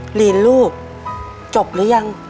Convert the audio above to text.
ลีนลูกจบหรือยัง